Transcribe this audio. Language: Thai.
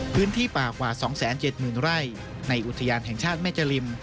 พื้นที่ป่ากว่า๒๗๐๐ไร่ในอุทยานแห่งชาติแม่จริม